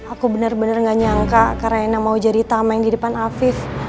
aku benar benar gak nyangka karaina mau jadi tameng di depan afif